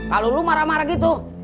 kalau lu marah marah gitu